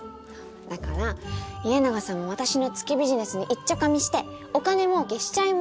だからイエナガさんも私の月ビジネスにいっちょかみしてお金もうけしちゃいましょうよ！